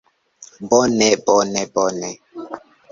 Bone, bone, bone...